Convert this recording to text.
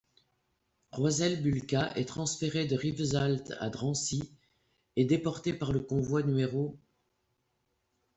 Roisel Bulka est transférée de Rivesaltes à Drancy et déportée par le Convoi No.